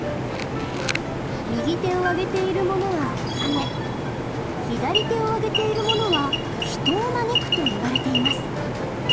右手を上げているものはお金左手を上げているものは人を招くといわれています。